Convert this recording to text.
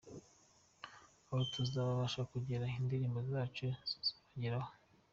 Aho tutazabasha kugera indirimbo zacu zizabageraho.